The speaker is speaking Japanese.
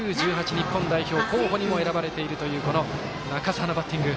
日本代表候補にも選ばれているという中澤のバッティング。